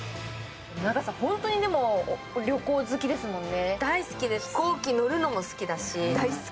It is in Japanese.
仲さん、ホントに旅行好きですもんね。